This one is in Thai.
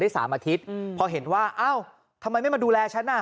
สามอาทิตย์อืมพอเห็นว่าอ้าวทำไมไม่มาดูแลฉันอ่ะ